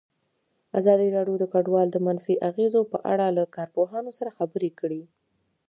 ازادي راډیو د کډوال د منفي اغېزو په اړه له کارپوهانو سره خبرې کړي.